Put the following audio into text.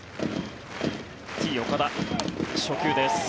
Ｔ−岡田、初球です。